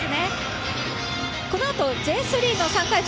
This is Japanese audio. このあと、Ｊ３の３会場